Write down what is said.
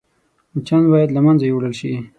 مچان باید له منځه يوړل شي